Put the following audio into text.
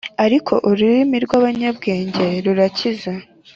Ariko ururimi rw’abanyabwenge rurakiza